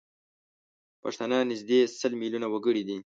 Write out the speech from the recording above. پښتانه نزدي سل میلیونه وګړي دي